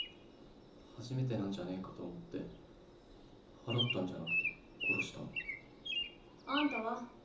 初めてなんじゃねぇかと思って祓ったんじゃなくて殺したの。あんたは？